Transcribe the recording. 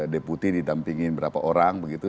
deputi didampingin berapa orang begitu